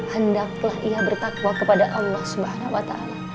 hendaklah ia bertakwa kepada allah swt